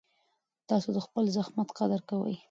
تاسو د خپل زحمت قدر کوئ.